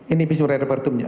ini visum e repertumnya